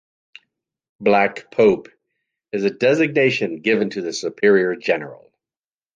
"Black Pope" is a designation given to the Superior General.